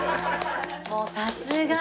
もうさすが！